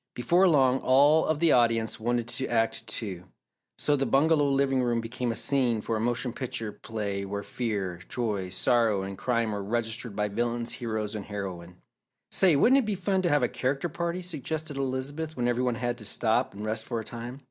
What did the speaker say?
Before long, all of the audience wanted to act too, so the bungalow living room became a scene for a motion picture play where fear, joy, sorrow and crime were registered by villains, hero and heroine. "Say, wouldn't it be fun to have a character party," suggested Elizabeth, when every one had to stop and rest for a time.